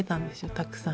たくさん。